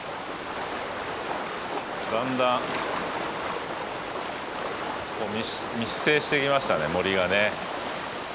だんだん密生してきましたね森がね。